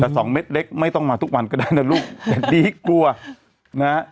แต่สองเม็ดเล็กไม่ต้องมาทุกวันก็ได้นะลูกแต่ดีกลัวนะฮะ